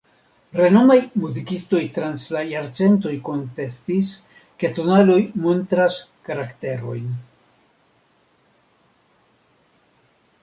Renomaj muzikistoj trans la jarcentoj kontestis, ke tonaloj montras karakterojn.